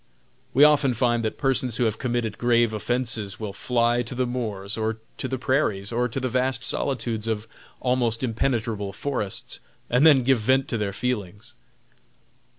We often find that persons who have committed grave offenses will fly to the moors, or to the prairies, or to the vast solitudes of almost impenetrable forests, and there give vent to their feelings.